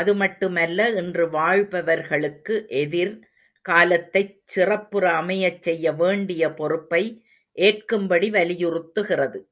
அதுமட்டுமல்ல இன்று வாழ்பவர்களுக்கு எதிர் காலத்தைச் சிறப்புற அமையச் செய்யவேண்டிய பொறுப்பை ஏற்கும்படி வலியுறுத்துகிறது.